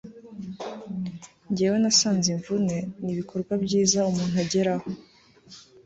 jyewe nasanze imvune n'ibikorwa byiza umuntu ageraho